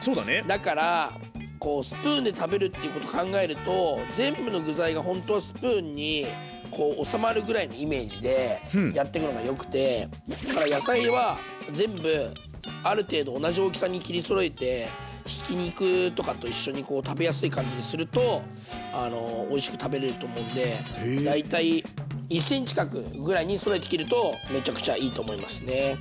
だからこうスプーンで食べるっていうこと考えると全部の具材がほんとはスプーンにこう収まるぐらいのイメージでやってくのがよくてだから野菜は全部ある程度同じ大きさに切りそろえてひき肉とかと一緒に食べやすい感じにするとおいしく食べれると思うんで大体１ｃｍ角ぐらいにそろえて切るとめちゃくちゃいいと思いますね。